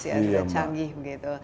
sudah canggih begitu